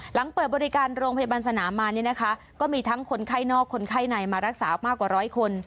หลังเปิดบริการโรงพยาบาลสนามมาเนี่ยนะคะก็มีทั้งคนไข้นอกคนไข้ในมารักษามากกว่าร้อยคน